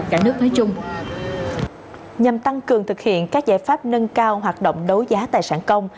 cả nước nói chung nhằm tăng cường thực hiện các giải pháp nâng cao hoạt động đấu giá tài sản công